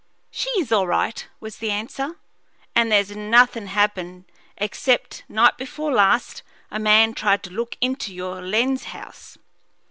"She's all right," was the answer. "And there's nothin' happened, except, night before last, a man tried to look into your lens house."